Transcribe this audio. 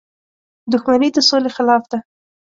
• دښمني د سولې خلاف ده.